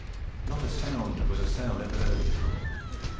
Not a sound was a sound ever heard before.